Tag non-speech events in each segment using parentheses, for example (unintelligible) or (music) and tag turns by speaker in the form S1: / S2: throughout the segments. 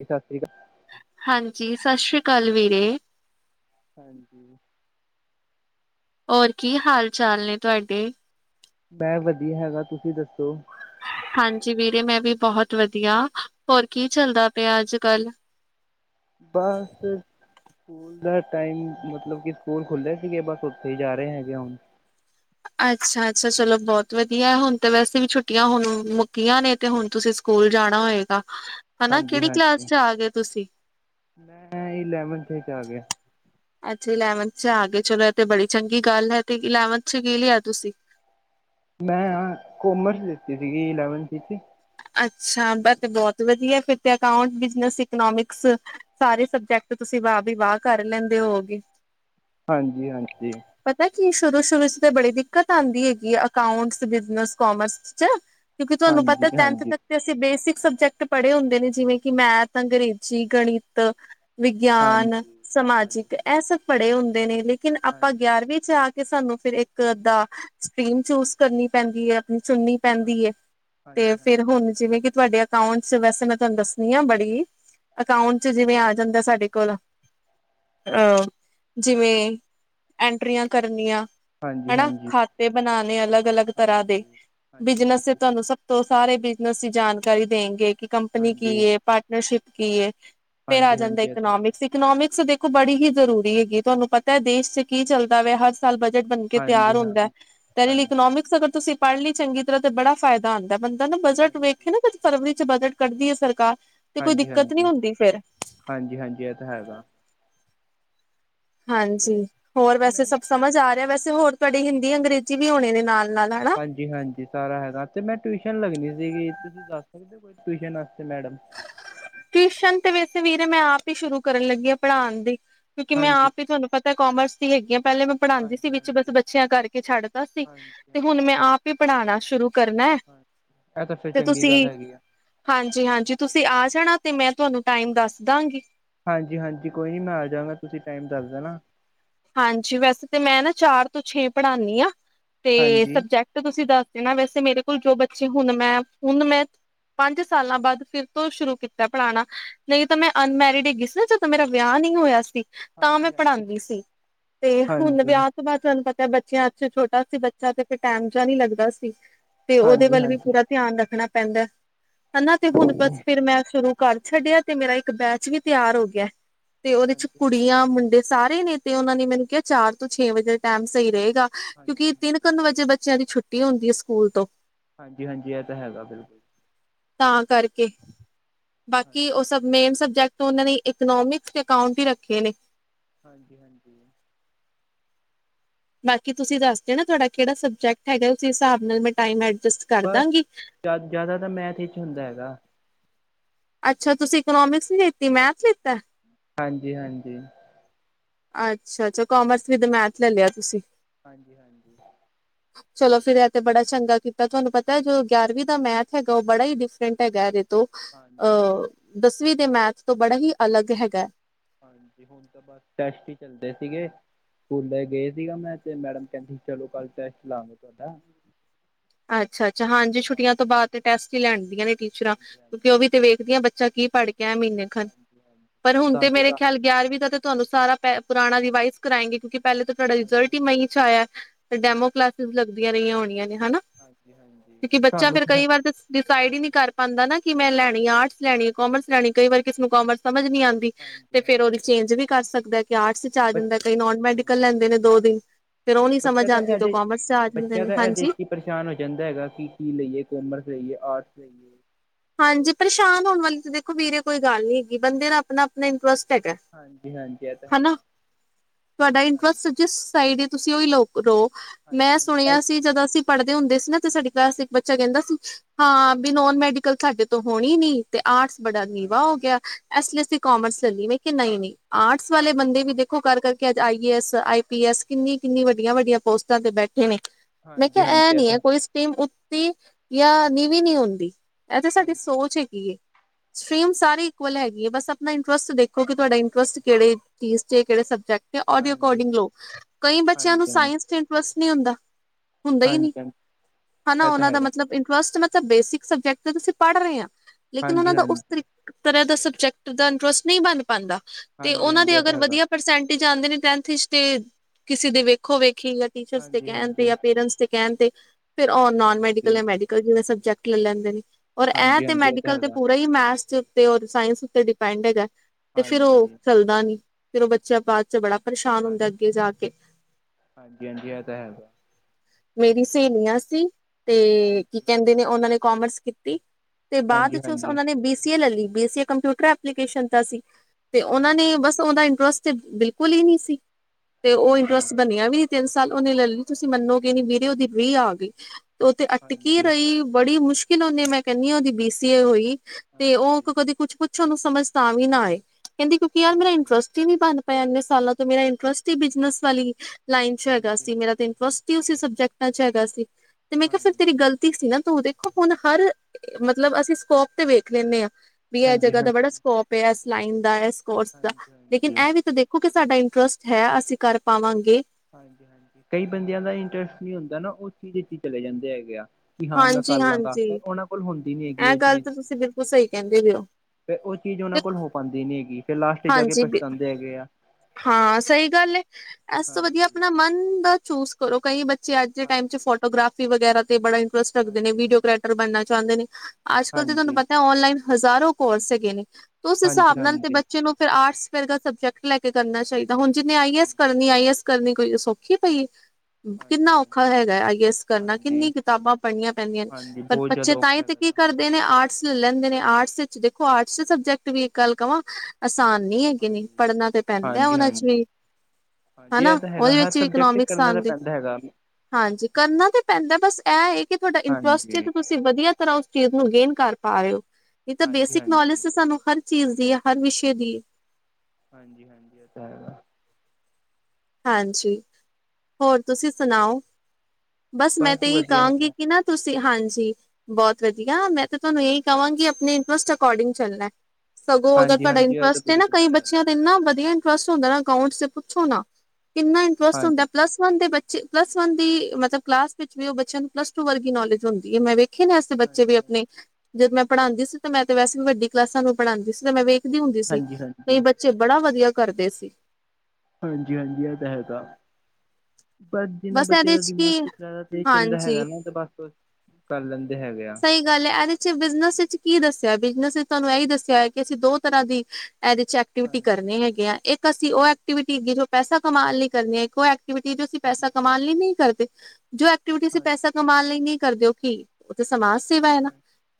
S1: ਜੀ, ਸਤਿ ਸ੍ਰੀ ਆਕਾਲ।
S2: ਹਾਂਜੀ, ਸਤਿ ਸ੍ਰੀ ਅਕਾਲ, ਵੀਰੇ।
S1: ਹਾਂਜੀ।
S2: ਹੋਰ ਕੀ, ਹਾਲ ਚਾਲ ਨੇ ਤੁਹਾਡੇ?
S1: ਮੈਂ ਵਧੀਆ ਹੈਗਾ, ਤੁਸੀਂ ਦੱਸੋ?
S2: ਹਾਂਜੀ ਵੀਰੇ, ਮੈਂ ਵੀ ਬਹੁਤ ਵਧੀਆ, ਹੋਰ ਕੀ ਚੱਲਦਾ ਪਿਆ ਅੱਜ- ਕੱਲ੍ਹ?
S1: ਬਸ ਸਕੂਲ ਦਾ ਟਾਈਮ, ਮਤਲਬ ਕਿ, ਸਕੂਲ ਖੁੱਲ੍ਹੇ ਸੀਗੇ ਬਸ ਉੱਥੇ ਹੀ ਜਾ ਰਹੇ ਹੈਗੇ ਹੁਣ।
S2: ਅੱਛਾ -ਅੱਛਾ, ਚਲੋ ਬਹੁਤ ਵਧੀਆ ਹੁਣ ਤੇ ਵੈਸੇ ਵੀ ਛੁੱਟੀਆਂ ਹੁਣ ਮੁੱਕੀਆਂ ਨੇ ਤੇ ਹੁਣ ਤੁਸੀਂ। ਸਕੂਲ ਜਾਣਾ ਹੋਏਗਾ। ਹਨਾ
S1: ਹਾਂਜੀ
S2: ਕਿਹੜੀ ਕਲਾਸ
S1: -ਹਾਂਜੀ,
S2: ਚ ਆ ਗਏ ਤੁਸੀਂ?
S1: ਮੈਂ ਇਲੈਵਨਥ ਵਿਚ ਆ ਗਿਆ।
S2: ਅੱਛਾ, ਇਲੈਨਵਥ ਚ ਆ ਗਏ ਚਲੋ, ਇਹ ਤੇ ਬੜੀ ਚੰਗੀ ਗੱਲ ਹੈ, ਤੇ ਇਲੈਵਨਥ ਚ ਕੀ ਲਿਆ ਤੁਸੀਂ?
S1: ਮੈਂ ਅ ਕੋਮਰਸ ਲਿਤੀ ਸੀਗੀ, ਇਲੈਵਨਥ ਵਿੱਚ।
S2: ਅੱਛਾ, ਬਸ ਤੇ ਬਹੁਤ ਵਧੀਆ, ਫਿਰ ਤੇ ਅਕਾਊਂਟ ਬਿਜਨਸ, ਇਕਨੋਮਿਕਸ। ਸਾਰੇ ਸਬਜੈਕਟ, ਤੁਸੀਂ ਵਾਹ ਵੀ ਵਾਹ ਕਰ ਲੈਂਦੇ ਹੋਗੇ?
S1: ਹਾਂਜੀ- ਹਾਂਜੀ।
S2: ਪਤਾ ਕੀ, ਸ਼ੁਰੂ- ਸ਼ੁਰੂ ਚ ਤੇ ਬੜੀ ਦਿੱਕਤ ਆਉਂਦੀ ਹੈਗੀ ਹੈ ਅਕਾਉਂਟਸ ਬਿਜਨਸ, ਕਾਮਰਸ। ਚ, ਕਿਉਂਕਿ ਤੁਹਾਨੂੰ
S1: ਹਾਂਜੀ
S2: ਪਤਾ। ਟੈਂਨਥ
S1: ਹਾਂਜੀ
S2: ਤੱਕ ਤੇ ਅਸੀਂ ਬੇਸਿਕ ਸਬਜੈਕਟ ਪੜ੍ਹੇ ਹੁੰਦੇ ਨੇ, ਜਿਵੇਂ ਕਿ ਮੈਥ, ਅੰਗਰੇਜ਼ੀ, ਗਣਿਤ। ਵਿਗਿਆਨ,
S1: ਹਾਂਜੀ ਹਾਂਜੀ
S2: ਸਮਾਜਿਕ ਇਹ ਸਭ ਪੜੇ ਹੁੰਦੇ ਨੇ, ਲੇਕਿਨ ਆਪਾਂ
S1: ਹਾਂਜੀ ਹਾਂ
S2: ਗਿਆਰਵੀਂ। ਆ ਕੇ ਸਾਨੂੰ ਫਿਰ ਇੱਕ ਅੱਧਾ ਸਟਰੀਮ ਚੂਜ ਕਰਨੀ ਪੈਂਦੀ ਹੈ, ਆਪਣੀ ਚੁਣਨੀ ਪੈਂਦੀ ਹੈ। ਤੇ
S1: ਹਾਂਜੀ ਹਾਂਜੀ
S2: ਫਿਰ
S1: ਇਹ ਤਾਂ
S2: ਹੁਣ
S1: ਹੈ।
S2: ਜਿਵੇਂ ਕਿ ਤੁਹਾਡੇ ਅਕਾਊਂਟਸ ਚ ਵੈਸੇ, ਮੈਂ ਤੁਹਾਨੂੰ ਦੱਸਣੀ ਆ ਬੜੀ। ਅਕਾਊਂਟ ਚ ਜਿਵੇਂ ਆ ਜਾਂਦਾ ਸਾਡੇ ਕੋਲ। ਅਹ ਜਿਵੇਂ, ਐਂਟਰੀਆਂ ਕਰਨੀਆਂ।
S1: ਹਾਂਜੀ ਹਾਂਜੀ ਹਾਂਜੀ
S2: ਹਨਾ,
S1: ਹਾਂਜੀ
S2: ਖਾਤੇ ਬਣਾਣੇ ਅਲੱਗ- ਅਲੱਗ ਤਰ੍ਹਾਂ ਦੇ, ਬਿਜਨਸ ਤੇ ਤੁਹਾਨੂੰ ਸਭ। ਸਾਰੇ ਬਿਜ਼ਨਸ ਜਾਣਕਾਰੀ ਦੇਣਗੇ, ਕਿ ਕੰਪਨੀ ਕੀ ਹੈ? ਪਾਰਟਨਰਸ਼ਿਪ ਕੀ ਹੈ? ਫਿਰ ਆ
S1: ਹਾਂਜੀ ਹਾਂਜੀ ਹਾਂਜੀ
S2: ਜਾਂਦਾ,
S1: ਹਾਂਜੀ ਇਹ ਤਾਂ ਹੈਗਾ।
S2: ਇਕਨੋਮਿਕਸ। ਇਕਨੋਮਿਕਸ ਦੇਖੋ ਬੜੀ ਹੀ ਜ਼ਰੂਰੀ ਹੈਗੀ। ਤੁਹਾਨੂੰ ਪਤਾ ਦੇਸ਼ ਚ ਕੀ ਚੱਲਦਾ ਪਿਆ ਵ ਹਰ। ਚਲ ਬਜਟ ਬਣ ਕੇ ਤਿਆਰ
S1: ਹਾਂਜੀ ਹਾਂ
S2: ਹੁੰਦਾ ਹੈ ਤੇ ਤੇਰੇ ਲਈ
S1: ਹਾਂਜੀ
S2: ਇਕਨੋਮਿਕਸ ਅਗਰ ਤੁਸੀਂ ਪੜ੍ਹ ਲਈ ਚੰਗੀ ਤਰ੍ਹਾਂ ਤੇ ਬੜਾ ਫਾਇਦਾ ਧਨ ਦਾ ਬੰਦਾ ਨਾ ਬਜਟ ਵੇਖੇ ਨਾ
S1: ਹਾਂਜੀ
S2: ਕ ਫਰਵਰੀ ਚ ਬਜਟ ਕੱਢਦੀ ਹੈ ਸਰਕਾਰ। ਤੇ ਕੋਈ
S1: ਹਾਂਜੀ
S2: ਦਿੱਕਤ ਨੀ
S1: ਹਾਂਜੀ।
S2: ਹੁੰਦੀ ਫੇਰ
S1: ਹਾਂਜੀ ਹਾਂਜੀ ਇਹ ਤਾਂ ਹੈਗਾ। ਤੇ
S2: ਹਾਂਜੀ, ਹੋਰ
S1: ਤੇ
S2: ਵੈਸੇ
S1: ਮੈਂ ਨਾ
S2: ਸਭ ਸਮਝ ਆ ਰਿਹਾ, ਵੈਸੇ ਹੋਰ ਤੁਹਾਡੀ ਹਿੰਦੀ, ਅੰਗਰੇਜ਼ੀ ਵੀ ਹੋਣੇ ਨੇ ਨਾਲ। (unintelligible)
S1: ਜੀ, ਹਾਂਜੀ ਸਾਰਾ ਹੈਗਾ, ਤੇ ਮੈਂ ਟਿਊਸ਼ਨ ਲੱਗਣੀ ਸੀਗੀ ਤੁਸੀਂ ਦੱਸ ਸਕਦੇ ਹੋ, ਕੋਈ ਟਿਉਸ਼ਨ ਵਾਸਤੇ ਮੈਡਮ।
S2: ਟਿਊਸ਼ਨ ਤੇ ਵੈਸੇ ਵੀਰੇ ਮੈਂ ਆਪ ਹੀ ਸ਼ੁਰੂ ਕਰਨ ਲੱਗੀ ਹਾਂ, ਪੜ੍ਹਾਨ ਦੀ। ਕਿਉਂਕਿ ਮੈਂ
S1: ਹਾਂਜੀ
S2: ਆਪ ਹੀ ਤੁਹਾਨੂੰ ਪਤਾ ਕੋਮਰਸ ਦੀ ਹੈਗੀ ਹਾਂ, ਪਹਿਲੇ ਮੈਂ ਪੜ੍ਹਾਉਂਦੀ ਸੀ,
S1: ਹਾਂਜੀ
S2: ਵਿੱਚ ਬਸ
S1: ਹਾਂਜੀ
S2: ਬੱਚਿਆਂ ਕਰਕੇ ਛੱਡ ਤਾ ਸੀ।
S1: ਹਾਂਜੀ ਹਾਂਜੀ
S2: ਤੇ ਹੁਣ, ਮੈਂ ਆਪ ਹੀ ਪੜ੍ਹਾਣਾ ਸ਼ੁਰੂ ਕਰਨਾ
S1: ਹਾਂਜੀ ਇਹ ਤਾਂ ਫਿਰ
S2: ਤੇ
S1: ਚੰਗੀ ਗੱਲ
S2: ਤੁਸੀਂ
S1: ਹੈਗੀ ਆ
S2: ਹਾਂਜੀ -ਹਾਂਜੀ, ਤੁਸੀਂ ਆ ਜਾਣਾ ਤੇ ਮੈਂ ਤੁਹਾਨੂੰ ਟਾਈਮ ਦੱਸ ਦਾਂਗੀ।
S1: ਹਾਂਜੀ- ਹਾਂਜੀ, ਕੋਈ ਨੀ ਮੈਂ ਆ ਜਾਂਗਾ, ਤੁਸੀਂ ਟਾਈਮ ਦੱਸ ਦੇਣਾ
S2: ਹਾਂਜੀ, ਵੈਸੇ ਤੇ ਮੈਂ ਨਾ ਚਾਰ ਤੋਂ ਛੇ ਪੜ੍ਹਾਣੀ ਹਾਂ, ਤੇ
S1: ਹਾਂਜੀ
S2: ਸਬਜੈਕਟ ਤੇ ਤੁਸੀਂ ਦੱਸ ਦੇਣਾ, ਵੈਸੇ ਮੇਰੇ ਕੋਲ ਜੋ ਬੱਚੇ ਹੁਣ ਮੈਂ ਹੁਣ ਮੈਂ ਪੰਜ ਸਾਲਾਂ ਬਾਅਦ ਫਿਰ ਤੋਂ ਸ਼ੁਰੂ ਕੀਤਾ ਪੜ੍ਹਾਣਾ ਨਹੀਂ ਤਾਂ ਮੈਂ ਅਨਮੈਰਿਡ ਹੈਗੀ ਨਾ ਜਦੋਂ ਮੇਰਾ ਵਿਆਹ ਨਹੀਂ ਹੋਇਆ ਸੀ ਤਾਂ ਮੈਂ
S1: ਹਾਂਜੀ ਹਾਂਜੀ
S2: ਪੜ੍ਹਾਦੀ ਸੀ ਤੇ ਹੁਣ
S1: ਹਾਂਜੀ ਹਾਂਜੀ
S2: ਵਿਆਹ ਤੋਂ ਬਾਅਦ ਤੁਹਾਨੂੰ ਪਤਾ ਬੱਚਿਆਂ ਅੱਛੇ ਛੋਟਾ ਸੀ ਬੱਚਾ ਤੇ ਫਿਰ ਟੈਮ ਜਿਹਾ ਨੀ ਲੱਗਦਾ ਸੀ ਤੇ ਉਹਦੇ
S1: ਹਾਂਜੀ
S2: ਵੱਲ ਵੀ
S1: ਹਾਂਜੀ
S2: ਪੂਰਾ ਧਿਆਨ ਰੱਖਣਾ ਪੈਂਦਾ। ਹੈਨਾ ਤੇ ਹੁਣ ਬਸ ਫਿਰ ਮੈਂ ਸ਼ੁਰੂ ਘਰ ਛੱਡਿਆ ਤੇ ਮੇਰਾ ਇੱਕ ਬੈਚ ਵੀ ਤਿਆਰ ਹੋ ਗਿਆ ਤੇ ਉਹਦੇ ਚ
S1: ਹਾਂਜੀ ਹਾਂਜੀ
S2: ਕੁੜੀਆਂ ਮੁੰਡੇ ਸਾਰੇ ਨੇ ਤੇ ਉਹਨਾਂ ਨੇ ਮੈਨੂੰ ਕਿਹਾ ਚਾਰ ਤੋਂ ਛੇ ਵਜੇ ਟਾਈਮ ਸਹੀ ਰਹੇਗਾ
S1: ਹਾਂਜੀ
S2: ਕਿਉਂਕਿ ਤਿੰਨ ਕੁਨ ਵਜੇ ਬੱਚਿਆਂ ਦੀ ਛੁੱਟੀ ਛੁਟੀ ਹੁੰਦੀ ਹੈ ਸਕੂਲ ਤੋਂ
S1: ਹਾਂਜੀ -ਹਾਂਜੀ ਇਹ ਤਾਂ ਹੈਗਾ ਬਿਲਕੁਲ
S2: ਤਾਂ ਕਰਕੇ ਬਾਕੀ ਉਹ
S1: ਹਾਂਜੀ
S2: ਸਭ ਮੇਨ ਸਬਜੈਕਟ ਤੇ ਉਹਨਾਂ ਲਈ ਇਕਨੋਮਿਕਸ ਤੇ ਅਕਾਊਂਟ ਹੀ ਰੱਖੇ ਨੇ।
S1: ਹਾਂਜੀ ਹਾਂਜੀ।
S2: ਬਾਕੀ ਤੁਸੀਂ ਦੱਸਦੇ ਨਾ ਤੁਹਾਡਾ ਕਿਹੜਾ ਸਬਜੈਕਟ ਹੈਗਾ ਉਸ ਹਿਸਾਬ ਨਾਲ ਮੈਂ ਟਾਈਮ ਐਡਜਸਟ ਕਰ ਦਾਂਗੀ।
S1: ਜਾਂ ਜ਼ਿਆਦਾ ਤਾਂ ਮੈਥ ਹੀ ਚ ਹੁੰਦਾ ਹੈਗਾ।
S2: ਅੱਛਾ ਤੁਸੀਂ ਇਕਨੋਮਿਕਸ ਨਹੀਂ ਲਿਤੀ ਮੈਥ ਲਿੱਤਾ।
S1: ਹਾਂਜੀ -ਹਾਂਜੀ
S2: ਅੱਛਾ -ਅੱਛਾ ਕੋਾਮਰਸ ਵਿਦ ਮੈਥ ਲੈ ਲਿਆ ਤੁਸੀਂ
S1: ਹਾਂਜੀ -ਹਾਂਜੀ
S2: ਚਲੋ ਫਿਰ ਇਹ ਤੇ ਬੜਾ ਚੰਗਾ ਕੀਤਾ ਤੁਹਾਨੂੰ ਪਤਾ ਜੋ ਗਿਆਰਵੀਂ ਦਾ ਮੈਥ ਹੈਗਾ ਉਹ ਬੜਾ ਹੀ ਡਿਫਰੈਂਟ ਹੈਗਾ ਇਹਦੇ ਤੋਂ
S1: ਹਾਂਜੀ ਇਹ ਤਾਂ
S2: ਅਹ
S1: ਹੈ
S2: ਦਸਵੀਂ ਦੇ ਮੈਥ ਤੋਂ ਬੜਾ ਹੀ ਅਲੱਗ ਹੈਗਾ
S1: ਹਾਂਜੀ ਹੁਣ ਤਾਂ ਬਸ ਟੈਸਟ ਹੀ ਚੱਲਦੇ ਸੀਗੇ ਸਕੂਲੇ ਗਏ ਸੀਗਾ ਮੈਂ ਤੇ ਮੈਡਮ ਕਹਿੰਦੀ ਸੀ ਚਲੋ ਕੱਲ ਟੈਸਟ ਲਾਗੇ ਤੁਹਾਡਾ
S2: ਅੱਛਾ -ਅੱਛਾ ਹਾਂਜੀ। ਛੁੱਟੀਆਂ ਤੋਂ ਬਾਅਦ ਤੇ ਟੈਸਟ ਹੀ ਲੈਂਦੀਆਂ ਨੇ ਟੀਚਰਾਂ ਕਿਉਂਕਿ ਉਹ
S1: ਹਾਂਜੀ
S2: ਵੀ ਤੇ ਵੇਖ ਆਂ ਬੱਚਾ ਕੀ ਪੜ੍ਹ ਕੇ ਮਹੀਨੇ ਖੰਣ
S1: ਹਾਂਜੀ ਹਾਂਜੀ ਹਾਂਜੀ
S2: ਪਰ ਹੁਣ ਤੇ
S1: ਸਾਨੂੰ
S2: ਮੇਰੇ
S1: ਤਾਂ
S2: ਖਿਆਲ ਗਿਆਰਵੀਂ ਦਾ ਤੇ ਤੁਹਾਨੂੰ
S1: ਹਾਂ
S2: ਸਾਰਾ ਪੈ ਪੁਰਾਣਾ ਰਿਵਾਈਜ਼ ਕਰਾਏਗੇ ਕਿਉਂਕਿ ਪਹਿਲੇ ਤੁਹਾਡਾ
S1: ਹਾਂਜੀ
S2: ਰਿਜਲਟ ਹੀ
S1: ਹਾਂਜੀ
S2: ਮਈ ਚ ਆਇਆ ਡੈਮੋ ਕਲਾਸਿਸ ਲੱਗਦੀਆਂ ਰਹੀਆਂ ਹੋਣੀਆਂ ਨੇ ਹੈਨਾ
S1: ਹਾਂਜੀ- ਹਾਂਜੀ
S2: ਕਿਉਂਕਿ
S1: ਤੇ
S2: ਬੱਚਾ
S1: ਸਾਨੂੰ
S2: ਫੇਿਰ
S1: ਹਾਂ
S2: ਕਈ ਵਾਰ ਤੇ ਡਿਸਾਈਡ ਹੀ ਨਹੀਂ ਕਰ ਪਾਉਂਦਾ ਨਾ ਕਿ ਮੈਂ ਲੈਣੀ ਆਰਟਸ ਲੈਣੀ, ਕਾਮਰਸ ਲੈਣੀ ਕਈ ਵਾਰ ਕਿਸੇ ਨੂੰ ਕਾਮਰਸ ਸਮਝ ਨੀ ਆਉਂਦੀ ਤੇ
S1: ਹਾਂਜੀ
S2: ਫੇਰ ਉਹਦੀ
S1: ਹਾਂਜੀ
S2: ਚੇਂਜ ਵੀ ਕਰ ਸਕਦਾ ਕਿ ਆਰਟਸ ਚ ਆ
S1: ਬ
S2: ਜਾਂਦਾ ਕਈ ਨੋਨ ਮੈਡੀਕਲ
S1: ਹਾਂਜੀ
S2: ਲੈਂਦੇ ਨੇ ਦੋ ਦਿਨ ਫੇਿਰ ਉਹ ਨੀ
S1: ਬੱਚਾ
S2: ਸਮਝ
S1: ਤਾਂ
S2: ਆਉਂਦੀ ਤ
S1: ਇਹਦੇ
S2: ਕਾਮਰਸ ਚ ਆ ਜਾਂਦੇ
S1: ਬੱਚਾ
S2: ਨੇ
S1: ਤਾਂ ਇਹਦੇ
S2: ਹਾਂਜੀ
S1: ਚ ਹੀ ਪਰੇਸ਼ਾਨ ਹੋ ਜਾਂਦਾ ਹੈਗਾ ਕਿ ਕੀ ਲਈਏ ਕੋਮਰਸ ਲਈਏ ਆਰਟਸ ਲਈਏ-
S2: ਹਾਂਜੀ ਪਰੇਸ਼ਾਨ ਹੋਣ ਵਾਲੀ ਤੇ ਦੇਖੋ ਵੀਰੇ ਕੋਈ ਗੱਲ ਨੀ ਹੈਗੀ ਬੰਦੇ ਦਾ ਆਪਣਾ ਆਪਣਾ ਇੰਟਰਸਟ ਹੈਗਾ
S1: ਹਾਂਜੀ -ਹਾਂਜੀ ਤਾਂ
S2: ਹਨਾ?
S1: ਹੈਗਾ
S2: ਤੁਹਾਡਾ
S1: ਹਾਂਜੀ
S2: ਇੰਟਰਸਟ ਜਿਸ ਸਾਈਡ ਹੇ ਤੁਸੀਂ ਉਹੀ ਲੋ ਰੋ।
S1: ਹਾਂਜੀ
S2: ਮੈਂ
S1: ਹਾਂਜੀ
S2: ਸੁਣਿਆ ਸੀ ਜਦੋਂ ਅਸੀਂ ਪੜ੍ਹਦੇ ਹੁੰਦੇ ਸੀ ਨਾ ਤੇ ਸਾਡੀ ਕਲਾਸ ਇੱਕ ਬੱਚਾ ਕਹਿੰਦਾ ਸੀ ਹਾਂ ਵੀ ਨੋਨ ਮੈਡੀਕਲ ਸਾਡੇ ਤੋਂ ਹੋਣੀ ਨੀ ਤੇ ਆਰਟਸ ਬੜਾ
S1: ਹਾਂਜੀ
S2: ਨੀਵਾ ਹੋ ਗਿਆ ਇਸ ਲਈ ਅਸੀਂ ਕਾਮਰਸ ਲੈ ਲਈ ਮੈਂ ਕਿ ਨਹੀਂ ਨਹੀਂ ਆਰਟਸ ਵਾਲੇ ਬੰਦੇ ਵੀ
S1: ਹਾਂਜੀ
S2: ਦੇਖੋ। ਕਰ ਕਰਕੇ ਅੱਜ ਆਈ A S I P S ਕਿੰਨੀ- ਕਿੰਨੀ ਵੱਡੀਆਂ- ਵੱਡੀਆਂ ਪੋਸਟਾਂ ਤੇ ਬੈਠੇ ਨੇ। ਮੈਂ
S1: ਹਾਂਜੀ
S2: ਕਿਹਾ ਐਂ
S1: ਹਾਂਜੀ ਇਹ ਤਾਂ
S2: ਨਹੀਂ ਕੋਈ
S1: ਹੈਗਾ
S2: ਉੱਤੀ ਜਾਂ ਨੀਵੀਂ ਨਹੀਂ ਹੁੰਦੀ ਇਹ ਤਾਂ ਸਾਡੀ
S1: ਹਾਂਜੀ
S2: ਸੋਚ ਹੈਗੀ ਹੈ ਸਟਰੀਮ ਸਾਰੀ ਇਕੁਲ ਹੈਗੀ ਹੈ ਬਸ ਆਪਣਾ ਇੰਟਰਸਟ ਦੇਖੋ ਕਿ ਤੁਹਾਡਾ ਇੰਟਰਸਟ ਕਿਹੜੇ ਚੀਜ਼ ਤੇ ਕਿਹੜੇ ਸਬਜੈਕਟ ਤੇ
S1: ਹਾਂਜੀ
S2: ਅਕੋਰਡਿੰਗ ਲੋਓ ਕਈ ਬੱਚਿਆਂ ਨੂੰ
S1: ਹਾਂਜੀ ਹਾਂਜੀ
S2: ਸਾਇੰਸ ਤੇ ਬਸ ਨਹੀਂ ਹੁੰਦਾ। ਹੁੰਦਾ ਹੀ ਨੀ।
S1: ਹਾਂਜੀ ਹਾਂਜੀ
S2: ਹੈਨਾ ਉਹਨਾਂ ਦਾ ਮਤਲਬ ਇੰਟਰਸਟ ਮ ਬੇਸਿਕ ਸਬਜੈਕਟ ਅਸੀਂ ਪੜ੍ਹ ਰਹੇ ਹਾਂ ਲੇਕਿਨ ਉਹਨਾਂ ਦਾ ਉਸ ਤਰੀਕੇ ਇਕ ਤਰ੍ਹਾਂ ਦਾ ਸਬਜੈਕਟ ਦਾ ਇੰਟਰਸਟ ਨਹੀਂ ਬਣ ਪਾਉਂਦਾ ਤੇ
S1: ਹਾਂਜੀ
S2: ਉਹਨਾਂ ਦੇ
S1: ਇਹ ਤਾਂ
S2: ਅਗਰ
S1: ਹੈਗਾ
S2: ਵਧੀਆ ਪਰਸੈਂਟ ਜਾਂਦੇ ਨੇ ਟੈਂਥ ਵਿਚ ਤੇ ਕਿਸੇ ਦੇ ਵੇਖੋ ਵੇਖੀ ਟੀਚਰਸ ਦੇ
S1: ਹਾਂਜੀ
S2: ਕਹਿਣ ਤੇ
S1: ਹਾਂਜੀ
S2: ਜਾਂ ਪੇਰੈਂਟਸ ਦੇ ਕਹਿਣ ਤੇ ਫਿਰ ਉਹ ਨੋਨ
S1: ਹਾਂਜੀ
S2: ਮੈਡੀਕਲ ਯ ਮੈਡੀ ਜਿਵੇਂ ਜਿਵੇਂ ਸਬਜੈਕਟ ਲੈ ਲੈਂਦੇ ਨੇ। ਔਰ ਇਹਂ ਤੇ
S1: ਹਾਂਜੀ ਇਹ ਤਾਂ
S2: ਮੈਡੀਕਲ ਤੇ
S1: ਹੈਗਾ
S2: ਪੂਰਾ ਮੈਥ ਦੇ ਉੱਤੇ ਔਰ ਸਾਇੰਸ ਉੱਤੇ ਡਿਪੈਂਡ ਹੈਗਾ ਤੇ ਫੇਰ
S1: ਹਾਂਜੀ
S2: ਉਹ ਚੱਲਦਾ ਨੀ ਫੇਰ ਉਹ ਬੱਚਾ ਬਾਦ 'ਚ ਬਾਦ 'ਚ ਬੜਾ ਪਰੇਸ਼ਾਨ ਹੁੰਦਾ
S1: ਹਾਂਜੀ
S2: ਅੱਗੇ ਜਾ ਕੇ
S1: ਹਾਂਜੀ ਹਾਂਜੀ ਹਾਂਜੀ ਇਹ ਤਾਂ ਹੈਗਾ
S2: ਮੇਰੀ ਸਹੇਲੀਆਂ ਸੀ ਤੇ ਕੀ
S1: ਹਾਂਜੀ
S2: ਕਹਿੰਦੇ ਨੇ ਉਹਨਾਂ ਨੇ ਕਾਮਰਸ ਕੀਤੀ। ਤੇ ਬਾਦ
S1: ਹਾਂਜੀ
S2: 'ਚ
S1: ਹਾਂਜੀ ਹਾਂਜੀ ਇਹ ਤਾਂ ਹੈਗਾ ਹਾਂਜੀ ਹਾਂਜੀ ਹਾਂਜੀ ਹਾਂਜੀ
S2: ਉਹਨਾਂ ਨੇ ਬੀ ਸੀ ਏ ਲੈ ਲਈ ਬੀ ਸੀਏ ਕੰਪਿਊਟਰ ਐਪਲੀਕੇਸ਼ਨ ਸੀ। ਤੇ ਉਹਨਾਂ
S1: ਹਾਂਜੀ
S2: ਨੇ ਬਸ
S1: ਹਾਂਜੀ
S2: ਉਹ ਦਾ ਇੰਟਰਸਟ ਬਿਲਕੁਲ ਹੀ ਨਹੀਂ ਸੀ। ਤੇ ਉਹ
S1: ਹਾਂਜੀ ਹਾਂਜੀ ਹਾਂਜੀ
S2: ਇੰਟਰਸਟ ਬਣਿਆ ਵੀ ਨੀ ਤਿੰਨ ਸਾਲ, ਉਹਨੇ ਲੈ ਲਈ ਤੁਸੀਂ ਮੰਨੋਗੇ ਨ ਵੀਰੇ ਉਹਦੀ ਰੀ ਆ ਗਈ। ਉਹਥੇ ਅਟਕੀ
S1: ਹਾਂਜੀ
S2: ਰਹੀ ਬੜੀ ਮੁਸ਼ਕਿਲ ਉਹਨੇ ਮੈਂ ਕਹਿੰਨੀ ਹ ਉਹਦੀ ਬੀ ਸੀ ਏ ਹੋਈ। ਤੇ ਉਹ ਕਦੇ ਕੁਛ- ਕੁੱਛ ਉਹਨੂੰ ਸਮਝ ਤਾਂ ਵੀ ਨਾ ਆਏ ਕਹਿੰਦੀ ਕਿਉਂਕਿ ਯਾਰ ਮੇਰਾ ਇੰਟਰਸਟ ਅਸੀ ਵੀ ਬਣ ਪਏ ਇੰਨੇ ਸਾਲਾਂ ਤੋਂ ਮੇਰਾ ਇੰਟਰਸਟ ਹੀ ਬਿਜਨਸ ਵਾਲੀ ਲਾਈਨ 'ਚ ਹੈਗਾ
S1: ਹਾਂਜੀ ਹਾਂਜੀ
S2: ਸੀ ਮੇਰਾ ਤੇ ਇੰਟਰਸਟ ਉਸੇ ਸਬਜੈਕਟਾਂ 'ਚ ਹੈਗਾ ਸੀ ਤੇ ਮੈਂ ਕਿਹਾ ਫਿਰ ਤੇਰੀ
S1: ਹਾਂਜੀ
S2: ਗਲਤੀ ਸੀ ਨਾ ਤੂੰ ਉਹਦੇ ਹੁਣ ਹਰ ਮਤਲਬ ਅਸੀਂ ਸਕੋਪ ਤੇ ਵੇਖ ਲੈਂਣੇ ਹਾਂ ਵੀ ਇਹ
S1: ਹਾਂਜੀ
S2: ਜਗ੍ਹਾ ਦਾ ਬੜਾ ਸਕੋਪ ਇਸ ਲਾਈਨ ਦਾ ਇਸ ਕੋਰਸ ਦਾ
S1: ਹਾਂਜੀ
S2: ਲੇਕਿਨ
S1: ਹਾਂਜੀ
S2: ਇਹ ਵੀ ਤਾ ਦੇਖ ਕਿਉਂਕਿ ਸਾਡਾ ਇੰਟਰਸਟ ਹੈ ਅਸੀਂ ਕਰ ਪਾਵਾਂਗੇ।
S1: ਹਾਂਜੀ- ਹਾਂਜੀ ਕਈ ਬੰਦਿਆਂ ਦਾ ਇੰਟਰਸਟ ਨਹੀਂ ਹੁੰਦਾ ਨਾ ਉਸ ਚੀਜ਼ ਚਲੇ ਜਾਂਦੇ ਹੈਗੇ ਆ। ਕਿ ਹਾਂ ਮੈਂ
S2: ਹਾਂਜੀ
S1: ਕਰ ਲਾਂਗਾ
S2: ਹਾਂਜੀ
S1: ਫਿਰ ਉਹਨਾਂ ਕੋਲ ਹੁੰਦ ਨਹੀਂ ਹੈਗੀ
S2: ਇਹ
S1: ਉਹ
S2: ਗੱਲ
S1: ਚੀਜ਼
S2: ਤਾਂ ਤੁਸੀਂ ਬਿਲਕੁਲ ਸਹੀ ਕਹਿੰਦੇ ਪਏ ਹੋ।
S1: ਫੇਰ ਉਹ ਚੀਜ਼ ਉਹਨਾਂ ਕੋਲ
S2: ਦੇਖੋ
S1: ਹੋ ਪਾਉਂਦੀ ਨੀ ਹੈਗੀ ਫੇਰ ਲਾਸਟ ਜਾ ਕੇ
S2: ਹਾਂਜੀ ਬਿ-
S1: ਪਛਤਾਉਂਦੇ ਹੈਗੇ ਆ।
S2: ਹਾਂ ਸਹੀ ਗੱਲ ਏ ਇਸ ਤੋਂ ਵਧੀਆ
S1: ਹਾਂਜੀ
S2: ਆਪਣਾ ਮਨ ਦਾ ਚੂਜ ਕਰੋ ਕਈ ਬੱਚੇ ਅੱਜ ਦੇ ਟਮ
S1: ਹਾਂਜੀ
S2: ਫੋਟੋਗ੍ਰਾਫੀ ਵਗ਼ੈਰਾ ਬੜਾ ਇੰਟਰਸਟ ਰੱਖਦੇ ਨੇ
S1: ਹਾਂਜੀ
S2: ਵੀਡੀਓ
S1: ਹਾਂਜੀ
S2: ਕਰੈਕਟਰ ਬਣਨਾ ਚਾਹੁੰਦੇ ਨੇ। ਅੱਜ ਕੱਲ ਤੇ ਤੁਹਾਨੂੰ
S1: ਹਾਂਜੀ
S2: ਪਤਾ ਔਨਲਾਈਨ ਹਜ਼ਾਰੋ ਕੋਰਸ ਹੈਗੇ ਨੇ ਤੇ ਉਸ
S1: ਹਾਂਜੀ
S2: ਹਿਸਾਬ ਨਾਲ ਤੇ
S1: ਹਾਂਜੀ
S2: ਬੱਚੇ ਨੂੰ ਫਿਰ ਆਰਟਸ ਵੇਗਾ ਸਬਜੈਕਟ ਲੈ ਕੇ ਕਰਨਾ ਚਾਹੀਦਾ ਹੁਣ ਜਿਨੇ ਆਈ ਐਸ
S1: ਹਾਂਜੀ
S2: ਕਰਨੀ ਆਈ ਐਸ ਕਰਨੀ ਕੋਈ ਸੌਖੀ ਪਈ।
S1: ਹਾਂਜੀ
S2: ਕਿੰਨਾ
S1: ਹਾਂਜੀ
S2: ਔਖਾ ਹੈਗਾ ਆਈ ਏ ਐੱਸ ਕਰਨਾ ਕਿੰਨੀ
S1: ਹਾਂਜੀ
S2: ਕਿਤਾਬਾਂ ਪੜ੍ਹਨੀਆਂ ਪੈਂਦੀਆਂ ਨੇ।
S1: ਹਾਂਜੀ
S2: ਪਰ
S1: ਬਹੁਤ
S2: ਬੱਚੇ
S1: ਜ਼ਿਆਦਾ
S2: ਤਾਂਹੀ
S1: ਔਖਾ
S2: ਤੇ
S1: ਹੈਗਾ
S2: ਕੀ
S1: ਤਾਂ
S2: ਕਰਦ ਆਰਟਸ ਲੈ ਲੈਂਦੇ ਨੇ ਆਰਟਸ ਵਿੱਚ ਦੇਖੋ ਆਰਟਸ ਦਾ ਸਬਜੈਕਟ ਵੀ ਇੱਕ ਗੱਲ ਕਵਾਂ। ਆਸਾਨ ਨਹੀਂ ਹੈਗੇ ਨੇ ਨਹੀਂ
S1: ਹਾਂਜੀ
S2: ਪੜ੍ਹਨਾ ਤੇ ਪੈਂਦਾ
S1: ਹਾਂਜੀ
S2: ਉਹਨਾ 'ਚ
S1: ਹਾਂਜੀ
S2: ਵੀ
S1: ਹਾਂਜੀ ਇਹ
S2: ਹਨਾ
S1: ਤਾਂ ਹੈਗਾ
S2: ਉਹਦੇ
S1: ਹਰ
S2: ਵਿੱਚ ਵੀ
S1: ਸਬਜੈਕਟ
S2: ਇਕਨੋਮਿਕਸ
S1: ਕਰਨਾ ਤਾਂ
S2: ਆਂਦੀ।
S1: ਪੈਂਦਾ ਹੈਗਾ
S2: ਹਾਂਜੀ ਕਰਨਾ ਤਾਂ ਪੈਂਦਾ ਬਸ ਇਹ ਹੈ ਕਿ ਤੁਹਾਡਾ ਇੰਟਰਸਟ
S1: ਹਾਂਜੀ
S2: ਤੁਸੀਂ ਵਧੀਆ ਕਰਾਓ ਉਸ ਚੀਜ਼ ਨੂੰ ਗੇਨ ਕਰ ਪਾ ਰਹੇ ਹੋ ਨਹੀਂ ਤਾਂ
S1: ਹਾਂਜੀ
S2: ਬੇਸਿਕ ਨੌਲੇਜ
S1: ਹਾਂਜੀ
S2: ਤੇ ਸਾਨੂੰ ਹਰ ਚੀਜ਼ ਦੀ ਹੈ ਹਰ ਵਿਸ਼ਯ ਦੀ
S1: ਹਾਂਜੀ -ਹਾਂਜੀ ਇਹ ਤਾਂ ਹੈਗਾ।
S2: ਹਾਂਜੀ ਹੋਰ ਤੁਸੀਂ ਸੁਣਾਓ ਬਸ ਮੈਂ ਤੇ ਇਹੀ
S1: ਵਧੀਆ
S2: ਕਹਾਂਗੀ
S1: ਹੈਗਾ
S2: ਕਿ ਨਾ ਤੁਸੀਂ ਹਾਂਜੀ ਬਹੁਤ ਵਧੀਆ ਮੈਂ ਤੇ ਤੁਹਾਨੂੰ ਇਹੀ ਕਵਾਂਗੀ ਆਪਣੇ ਇੰਟਰਸਟ ਅਕੋਰਡਿੰਗ ਚੱਲਣਾ। ਸਗੋਂ ਅਗਰ ਤੁਹਾਡਾ
S1: ਹਾਂਜੀ-ਹਾਂਜੀ ਇਹ ਤਾਂ
S2: ਇੰਟਰਸਟ ਏ ਨਾ
S1: ਬਿਲਕੁਲ
S2: ਕਈ
S1: ਸਹੀ ਗੱਲ
S2: ਬੱਚਿਆਂ
S1: ਹੈ।
S2: ਦਾ ਇੰਨਾ ਵਧੀਆ ਇੰਟਰਸਟ ਹੁੰਦਾ ਨਾ ਅਕਾਊਟ 'ਚ ਪੁੱਛੋ ਨਾ। ਕਿੰਨਾ ਇੰਟਰਸਟ ਹੁੰਦਾ
S1: ਹਾਂਜੀ-ਹਾਂਜੀ,
S2: ਪਲੱਸ ਵਨ ਦੇ ਬੱਚ ਪਲੱਸ ਵਨ ਦੀ ਮਤਲਬ ਕਲਾਸ ਵਿੱਚ ਵੀ ਉਹ ਬੱਚਿਆਂ ਨੂੰ ਪਲੱਸ ਟੂ ਵਰਗੀ ਨੋਲੇਜ ਹੁੰਦੀ ਹੈ ਮੈਂ ਵੇਖ ਖੇ ਨੇ ਵਸੇ ਬੱਚੇ ਵੀ
S1: ਹਾਂਜੀ-ਹਾਂਜੀ,
S2: ਆਪਣੇ ਜਦੋਂ ਮੈਂ ਪੜ੍ਹਾਉਦੀ ਸੀ ਤਾਂ ਮੈਂ ਤੇ ਵੈਸੇ ਵੀ ਵੱਡੀ ਕਲਾਸਾਂ ਨੂੰ ਪੜਾਂਦੀ ਸੀ ਤੇ ਮੈਂ ਵੇਖ ਹੁੰਦੀ ਸੀ
S1: ਹਾਂਜੀ-ਹਾਂਜੀ
S2: ਕਈ ਬੱਚੇ ਬੜਾ ਵਧੀਆ ਕਰਦੇ ਸੀ।
S1: ਹਾਂਜੀ -ਹਾਂਜੀ ਇਹ ਤਾਂ ਹੈ ਤਾਂ। ਬਸ ਜਿੰਨਾ ਬੱਚਿਆਂ
S2: ਇਹਦੇ
S1: ਦਾ
S2: ਚ
S1: ਦਿਮਾਗ
S2: ਕੀ
S1: ਜਿਆਦਾ ਤੇਜ਼ ਚੱਲਦਾ
S2: ਹਾਂਜੀ
S1: ਹੈਗਾ ਨਾ ਤੇ ਬਸ ਕਰ ਲੈਂਦੇ ਹੈਗੇ ਆ।
S2: ਸਹੀ ਗੱਲ ਹੈ ਇਹਦੇ 'ਚ ਬਿਜਨਸ ਵਿੱਚ ਕੀ ਦੱਸਿਆ ਬਿਜਨਸ ਵਿੱਚ ਤੁਹਾਨੂੰ ਇਹੀ ਦੱਸਿਆ ਹੈ ਕਿ ਅਸੀਂ ਦੋ ਤਰ੍ਹਾਂ ਦੀ ਇਹਦੇ ਚ ਐਕਟੀਵਿਟੀ
S1: ਹਾਂਜੀ,
S2: ਕਰਨੇ ਹੈਗੇ ਆ। ਇੱਕ ਅਸੀਂ ਉਹ ਐਕਟੀਵਿਟੀਗੀ ਜੋ, ਪੈਸਾ ਕਮਾਉਣ ਲਈ ਕਰਨੀ। ਉਹ ਜੋ ਅਸੀਂ
S1: ਹਾਂਜੀ, ਹਾਂਜੀ,
S2: ਪੈਸਾ ਕਮਾਨ ਲਈ ਨਹੀਂ ਕਰਦੇ। ਜੋ ਐਕਟੀਵਿਟੀ ਅਸੀਂ
S1: ਹਾਂ
S2: ਪੈਸਾ
S1: ਹਾਂਜੀ,
S2: ਕਮਾਉਣ ਲਈ ਨਹੀਂ ਕਰਦੇ ਓ ਕੀ ਉਹ ਤੇ ਸਮਾਜ ਸੇਵਾ ਹੈ ਨਾ,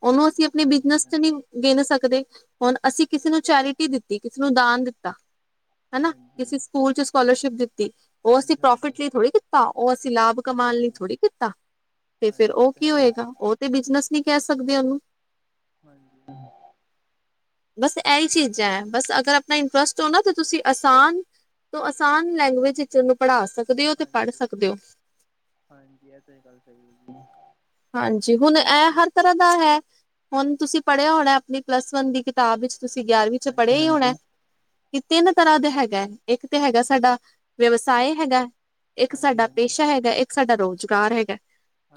S2: ਉਹਨੂੰ ਅਸੀਂ ਆਪਣੀ ਬਿਜਨਸ
S1: ਹਾਂਜੀ,
S2: ਚ ਨ ਗਿਣ ਸਕਦੇ ਹੁਣ ਅਸੀਂ ਕਿਸੇ ਨੂੰ ਚੈਰਿਟੀ ਦਿੱਤੀ, ਕਿਸੇ ਨੂੰ ਦਾਨ ਦਿੱਤਾ। ਹਨਾ
S1: ਹਾਂਜੀ,
S2: ਕਿਸੇ ਸਕੂਲ ਚ ਸਕੋਲਰਸ਼ਿਪ ਦਿੱਤੀ, ਉਹ ਅਸੀਂ
S1: ਹਾਂਜੀ-ਹਾਂਜੀ,
S2: ਪ੍ਰੋਫਿਟ ਲਈ ਥੋੜ੍ਹੀ ਕੀਤਾ। ਉਹ ਅਸੀਂ ਲਾਭ ਕਮਾਨ ਲਈ
S1: ਹਾਂਜੀ,
S2: ਥੋੜ੍ਹੀ ਕੀਤਾ ਤੇ ਫੇਿਰ
S1: ਹਾਂਜੀ ਹਾਂਜੀ ਇਹ
S2: ਉਹ
S1: ਤਾਂ
S2: ਕੀ
S1: ਹੈਗਾ।
S2: ਹੋਏਗਾ। ਉਹ ਤੇ ਬਿਜਨਸ ਨਹੀਂੀ ਕਹਿ ਸਕਦੇ ਉਹਨੂੰ?
S1: (inaudible)
S2: ਬਸ ਏਹੀ ਚੀਜ਼ਾਂ ਬਸ ਅਗਰ ਆਪਣਾ ਇੰਟਰਸਟ ਹੋ ਨਾ ਤਾਂ ਤੁਸੀਂ ਆਸਾਨ ਤੋਂ ਆਸਾਨ ਲੈਂਗੁਏਜ ਵਿੱਚ ਉਹਨੂੰ ਪੜ੍ਹਾ ਸਕ
S1: ਹਾਂਜੀ-ਹਾਂਜੀ ਇਹ ਤਾਂ ਗੱਲ ਸਹੀ ਐ ਜੀ।
S2: ਹਾਂਜੀ ਹੁਣ ਐ ਹਰ ਤਰ੍ਹਾਂ ਦਾ ਹੈ ਹੁਣ ਤੁਸੀਂ ਪੜ੍ਹਿਆ ਹੋਣਾ ਆਪਣੀ ਪਲੱਸ-ਵਨ ਦੀ ਕਿਤਾਬ ਵਿੱਚ ਤੁਸੀਂ ਗਿਆਰਵੀਂ 'ਚ ਪੜ੍ਹਿਆ ਈ ਹੋਣਾ।
S1: ਹਾਂਜੀ-ਹਾਂਜੀ,
S2: ਕਿ ਤਿੰਨ ਤਰ੍ਹਾਂ ਦੇ ਹੈਗਾ ਇੱਕ ਤੇ ਹੈਗਾ ਸਾਡਾ ਵਿਵਸਾਏ ਹੈਗਾ। ਇੱਕ ਸਾਡਾ
S1: ਹਾਂਜੀ-ਹਾਂਜੀ,
S2: ਪੇਸ਼ਾ ਹੈਗਾ ਇੱਕ ਸਾਡਾ ਰੁਜ਼ਗਾਰ ਹੈਗਾ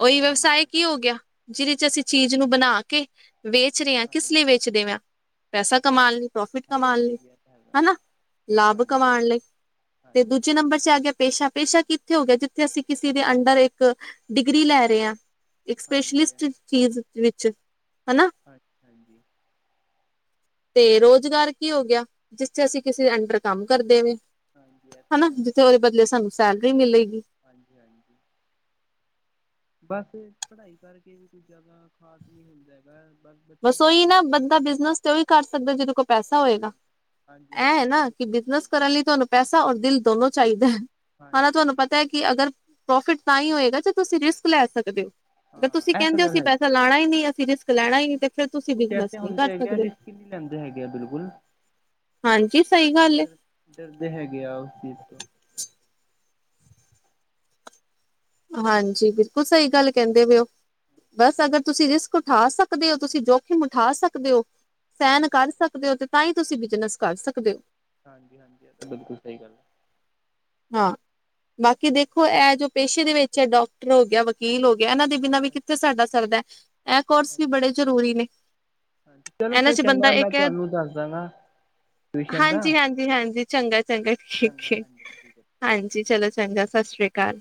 S2: ਉਹੀ ਵਿਵਸਾਏ ਕੀ ਹੋ ਗਿਆ, ਜਿਹਦੇ ਚ ਅਸੀਂ ਚੀਜ਼ ਨੂੰ ਬਣਾ ਕੇ, ਵੇਚ ਰਹੇ ਆ ਕਿਸ
S1: ਹਾਂਜੀ,
S2: ਲਈ ਵੇਚ ਪੁੱਛ ਦੇ ਵਾਂ, ਪੈਸਾ ਕਮਾਉਣ ਨੂੰ। ਪ੍ਰੋਫਿਟ ਕਮਾਉਣ ਲਈ,
S1: ਹਾਂਜੀ-ਹਾਂਜੀ ਇਹ ਤਾਂ ਹੈਗਾ
S2: ਹਨਾ, ਲਾਭ
S1: ਹਾਂਜੀ,
S2: ਕਮਾਉਣ ਲਈ, ਤੇ
S1: ਹਾਂਜੀ।
S2: ਦੂਜੇ ਨੰਬਰ ਚ ਆ ਗਿਆ ਪੇਸ਼ਾ-ਪੇਸ਼ਾ ਕਿੱਥੇ ਹੋ ਗਿਆ ਜਿੱਥੇ ਅਸੀਂ ਕਿਸੇ ਦੇ ਅੰਡਰ ਇੱਕ, ਡਿਗਰੀ ਲੈ ਰਹੇ ਆ। ਇੱਕ
S1: ਹਾਂਜੀ
S2: ਸਪੈਸ਼ਲਿਸਟ ਚੀਜ਼ ਵਿੱਚ ਹਨਾ।
S1: ਅੱਛਾਾਂ ਜੀ।
S2: (inaudible) ਤੇ ਰੁਜ਼ਗਾਰ ਕੀ ਹੋ ਗਿਆ ਜਿਸਥ ਅਸੀਂ ਕਿਸੇ ਦੇ ਅੰਡਰ ਕੰਮ ਕਰਦੇ ਵੇ।
S1: ਹਾਂਜੀ ਇਹ ਤਾਂ
S2: ਹਨਾ ਜਿੱਥੇ ਉਹਦੇ ਬਦਲੇ ਸਾਨੂੰ ਸੈਲਰੀ ਮਿਲੇਗੀ।
S1: ਹਾਂਜੀ-ਹਾਂਜੀ। ਬਸ ਪੜ੍ਹਾਈ ਕਰਕੇ ਵੀ ਕੁਝ ਜ਼ਿਆਦਾ ਖਾਸ ਕੀ ਹੁੰਦਾ ਹੈਗਾ ਏ ਬਸ। ਬੱਚੇ
S2: ਬਸ
S1: ਦਾ
S2: ਉਹੀ
S1: ਮਨ
S2: ਨਾ
S1: ਹੁੰਦਾ ਕਿ
S2: ਬੰਦਾ ਬਿਜਨਸ ਤੇ ਉਹੀ ਕਰ ਸਕਦਾ ਜਿਹਦੇ ਕੋਲ ਪੈਸਾ ਹੋਏਗਾ।
S1: ਹਾਂਜੀ ਹਾਂਜੀ ਹਾਂਜੀ
S2: ਇਹ
S1: ਤਾਂ
S2: ਨਾ ਕਿ
S1: ਬਿਲਕੁਲ ਸਹੀ
S2: ਬਿਜਨਸ
S1: ਗੱਲ ਹੈ।
S2: ਕਰਨ ਲਈ ਤੁਹਾਨੂੰ ਪੈਸਾ ਔਰ ਦਿਲ ਦੋਨੋ ਚਾਹੀਦਾ, ਹਨਾ
S1: ਹਾਂਜੀ
S2: ਤੁਹਾਨੂੰ ਪਤਾ ਹੈ ਕਿ ਕਿ ਅਗਰ, ਪ੍ਰੋਫਿਟ ਤਾਂ ਈ ਹੋਏਗਾ ਜੇ ਤੁਸੀਂ ਰਿਸਕ ਲੈ ਸਕਦੇ ਓ। ਅਗਰ ਤੁਸੀਂ
S1: ਹਾਂ ਇਹ ਤਾਂ
S2: ਕਹਿੰਦੇ ਹੋ
S1: ਗੱਲ
S2: ਅਸੀਂ
S1: ਹੈਗੀ
S2: ਪੈਸਾ ਲਾਣਾ ਈ ਨੀ, ਅਸੀਂ ਰਿਸਕ ਲੈਣਾ
S1: ਹਾਂਜੀ
S2: ਈ ਨਈਂ
S1: ਕੁਛ
S2: ਤੇ ਫਿਰ ਤੁਸੀਂ
S1: ਕੁਛ
S2: ਬਿਜਨਸ
S1: ਐਸੇ
S2: ਨਈਂ ਕਰ
S1: ਹੁੰਦੇ ਹੈਗੇ ਆ
S2: ਸਕਦੇ।
S1: ਰਿਸਕ ਨਹੀਂ ਲੈਂਦੇ ਹੈਗੇ ਆ ਬਿਲਕੁਲ।
S2: ਹਾਂਜੀ, ਸਹੀ ਗੱਲ ਐ।
S1: ਡਰ ਡਰਦੇ ਹੈਗੇ ਆ ਉਸ ਚੀਜ਼ ਤੋਂ।
S2: ਹਾਂਜੀ, ਬਿਲਕੁਲ ਸਹੀ ਗੱਲ ਕਹਿੰਦੇ ਵੇ ਓ। ਬਸ ਅਗਰ ਤੁਸੀਂ ਰਿਸਕ ਉਠਾ ਸਕਦੇ ਓ ਤੁਸੀਂ ਜੋਖਿਮ ਉਠਾ ਸਕਦੇ ਓ ਸਹਿਣ
S1: ਹਾਂਜੀ
S2: ਕਰ ਸਕਦੇ ਓ, ਤੇ ਤਾਂ ਈ ਤੁਸੀਂ ਬਿਜਨਸ ਕਰ ਸਕਦੇ ਓ।
S1: ਹਾਂਜੀ-ਹਾਂਜੀ, ਇਹ ਤਾਂ ਬਿਲਕੁਲ ਸਹੀ ਗੱਲ ਐ।
S2: ਹਾਂ, ਬਾਕੀ ਦੇਖੋ ਇਹ ਜੋ ਪੇਸ਼ੇ ਦੇ ਵਿੱਚ ਡਾਕਟਰ ਹੋ ਗਿਆ ਵਕੀਲ ਹੋ ਗਿਆ ਇਹਨਾਂ ਦੇ ਬਿਨਾਂ ਵੀ ਕਿੱਥੇ ਸਾਡਾ ਸਰਦਾ ਏ। ਇਹ ਕੋਰਸ ਵੀ
S1: ਹਾਂਜੀ
S2: ਬੜੇ
S1: ਹਾਂਜੀ
S2: ਜ਼ਰੂਰੀ ਨੇ,
S1: ਹਾਂਜੀ ਚਲੋ
S2: ਇਹਨਾਂ
S1: ਫਿਰ
S2: ਚ ਬੰਦਾ
S1: ਚੰਗਾ ਮੈਂ
S2: ਇੱਕ ਐ
S1: ਤੁਹਾਨੂੰ ਦੱਸ ਦਾਂਗਾ ਟਿਊਸ਼ਨ ਦਾ
S2: ਹਾਂਜੀ-ਹਾਂਜੀ-ਹਾਂਜੀ, ਚੰਗਾ-ਚੰਗਾ, ਠੀਕ
S1: ਚੰਗਾ
S2: ਏ।
S1: (inaudible)
S2: ਹਾਂਜੀ ਚਲੋ ਚੰਗਾ ਸਤਿ ਸ਼੍ਰੀ ਅਕਾਲ।